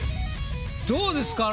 どうですか？